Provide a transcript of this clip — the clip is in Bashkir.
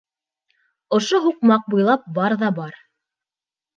— Ошо һуҡмаҡ буйлап бар ҙа бар.